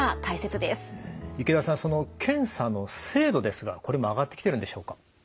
池田さん検査の精度ですがこれも上がってきてるんでしょうか？